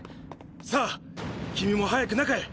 さあ君も早く中へ。